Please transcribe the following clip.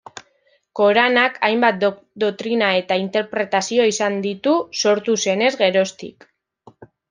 Koranak hainbat dotrina eta interpretazio izan ditu sortu zenez geroztik.